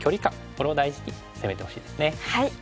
これを大事に攻めてほしいですね。